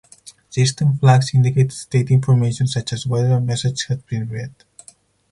System flags indicate state information such as whether a message has been read.